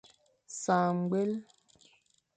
Sañ ñgwel.